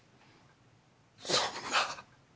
そんな。